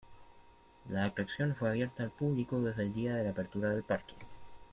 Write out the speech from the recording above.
La atracción fue abierta al público desde el día de la apertura del parque.